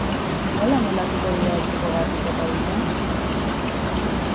Nola moldatuko dira etxeko garbiketa egiten?